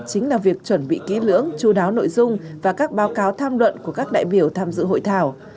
chính là việc chuẩn bị kỹ lưỡng chú đáo nội dung và các báo cáo tham luận của các đại biểu tham dự hội thảo